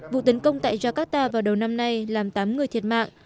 vụ tấn công tại jakarta vào đầu năm nay làm tám người thiệt mạng